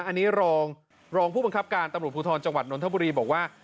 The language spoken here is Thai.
อันนี้รองรองผู้บังคับการตำรวจภูทรจังหวัดนทบุรีบอกว่า